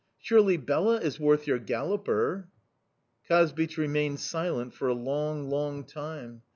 Surely Bela is worth your galloper!' "Kazbich remained silent for a long, long time.